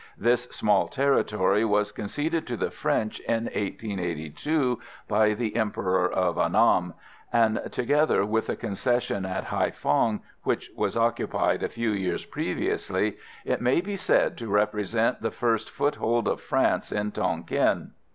This small territory was conceded to the French in 1882 by the Emperor of Annam, and, together with the Concession at Haïphong, which was occupied a few years previously, it may be said to represent the first foothold of France in Tonquin.